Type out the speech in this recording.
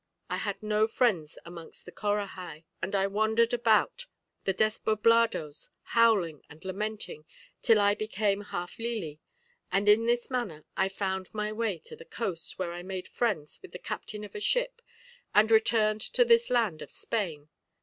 I had no friends amongst the Corahai, and I wandered about the despoblados howling and lamenting till I became half lili, and in this manner I found my way to the coast, where I made friends with the captain of a ship, and returned to this land of Spain.